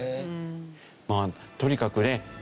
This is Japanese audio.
まあとにかくね